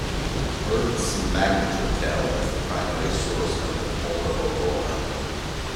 Earth's magnetotail is the primary source of the polar aurora.